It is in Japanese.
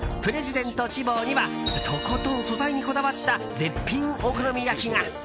でんと千房にはとことん素材にこだわった絶品お好み焼きが。